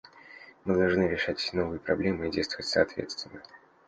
Мы должны решать эти новые проблемы и действовать соответственно.